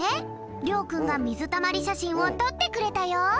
りょうくんがみずたまりしゃしんをとってくれたよ。